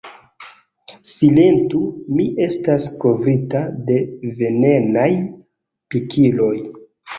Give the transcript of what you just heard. "Silentu, mi estas kovrita de venenaj pikiloj!"